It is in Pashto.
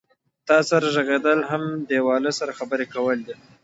تا سره غږېدل سم دیواله سره خبرې کول دي.